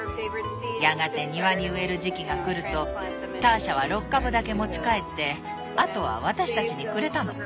やがて庭に植える時期がくるとターシャは６株だけ持ち帰ってあとは私たちにくれたの。